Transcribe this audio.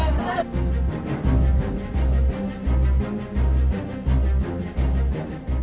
dia punya kacang